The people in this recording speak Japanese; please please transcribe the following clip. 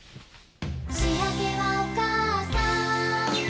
「しあげはおかあさん」